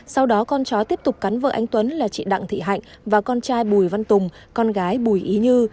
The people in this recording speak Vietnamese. sau đó con chó tiếp tục cắn vợ anh tuấn là chị đặng thị hạnh và con trai bùi văn tùng con gái bùi ý như